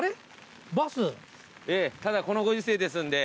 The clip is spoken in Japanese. ただこのご時世ですんで。